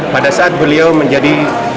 pada saat beliau menjadi